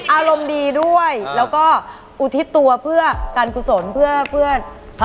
อารมณ์ดีด้วยแล้วก็อุทิศตัวเพื่อการกุศลเพื่อเพื่อ